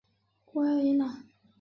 炭谷银仁朗。